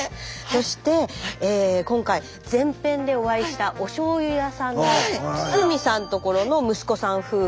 そして今回前編でお会いしたおしょうゆ屋さんの堤さんところの息子さん夫婦は吹奏楽。